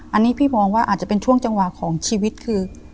อันนี้พี่มองว่าอาจจะเป็นช่วงจังหวะของชีวิตคือ